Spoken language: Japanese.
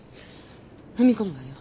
踏み込むわよ。